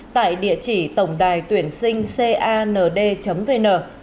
tại địa chỉ tổngđài tuyển sinh cand vn